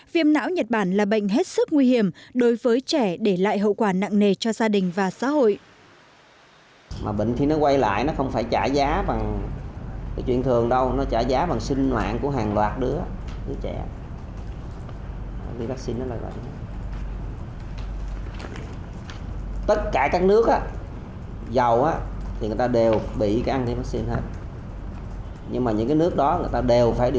viêm não nhật bản là bệnh hết sức nguy hiểm đối với trẻ để lại hậu quả nặng nề cho gia đình và xã hội